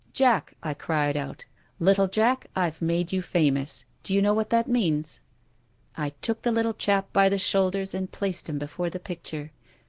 ' Jack,* I cried out, ' little Jack, I've made you famous. D'you know what that means ?'" I took the little chap by the shoulders and placed him before the picture.